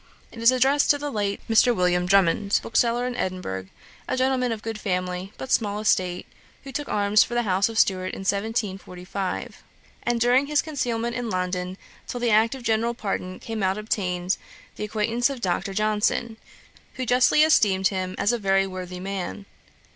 It is addressed to the late Mr. William Drummond, bookseller in Edinburgh, a gentleman of good family, but small estate, who took arms for the house of Stuart in 1745; and during his concealment in London till the act of general pardon came out obtained the acquaintance of Dr. Johnson, who justly esteemed him as a very worthy man.